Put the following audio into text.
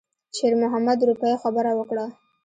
شېرمحمد د روپیو خبره وکړه.